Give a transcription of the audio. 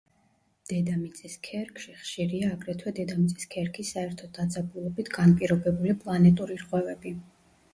დედამიწის ქერქში ხშირია აგრეთვე დედამიწის ქერქის საერთო დაძაბულობით განპირობებული პლანეტური რღვევები.